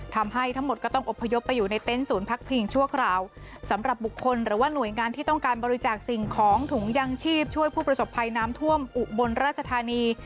ทั้งหมดก็ต้องอบพยพไปอยู่ในเต็นต์ศูนย์พักพิงชั่วคราวสำหรับบุคคลหรือว่าหน่วยงานที่ต้องการบริจาคสิ่งของถุงยังชีพช่วยผู้ประสบภัยน้ำท่วมอุบลราชธานี